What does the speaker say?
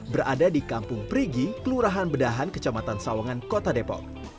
berada di kampung perigi kelurahan bedahan kecamatan sawangan kota depok